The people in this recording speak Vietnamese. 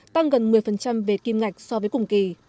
tăng gần một mươi về kim ngạch so với cùng kỳ